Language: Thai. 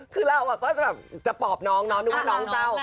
คือเราก็จะแบบจะปอบน้องเนาะนึกว่าน้องเศร้า